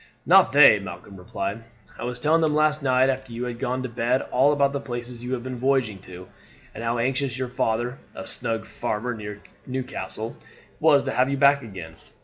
"Not they," Malcolm replied. "I was telling them last night after you had gone to bed all about the places you have been voyaging to, and how anxious your father, a snug farmer near Newcastle, was to have you back again.